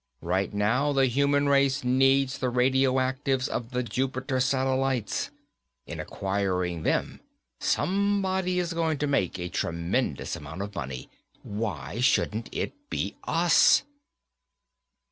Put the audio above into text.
Right now, the human race needs the radioactives of the Jupiter satellites. In acquiring them, somebody is going to make a tremendous amount of money. Why shouldn't it be us?"